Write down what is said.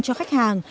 cho khách hàng